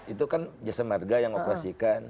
itu kan jasa marga yang operasikan